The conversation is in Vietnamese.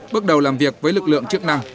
bước đầu làm việc với lực lượng chức năng